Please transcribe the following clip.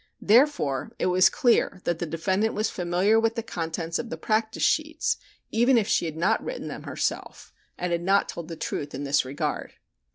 Therefore it was clear that the defendant was familiar with the contents of the practice sheets (Fig. 8.), even if she had not written them herself and had not told the truth in this regard.